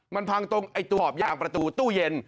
มันพังตรงไอ้ตัวหอบยางประตูตู้เย็น